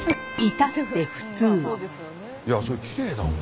いやきれいだもん。